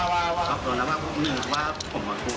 อร่ำนับว่าพรุ่งนึง